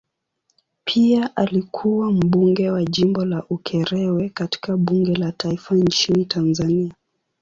Pia alikuwa mbunge wa jimbo la Ukerewe katika bunge la taifa nchini Tanzania.